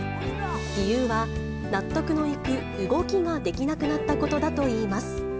理由は、納得のいく動きができなくなったことだといいます。